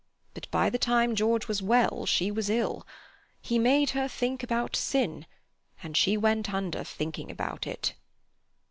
but by the time George was well she was ill. He made her think about sin, and she went under thinking about it."